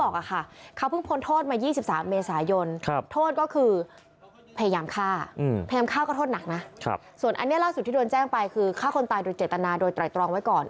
ฆ่าผู้อื่นตายโดยเจตนาโดยไตร่ตรองไว้ก่อน